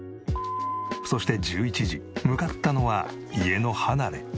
そして１１時向かったのは家の離れ。